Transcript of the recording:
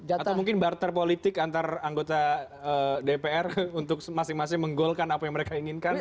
atau mungkin barter politik antar anggota dpr untuk masing masing menggolkan apa yang mereka inginkan